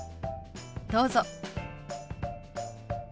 どうぞ。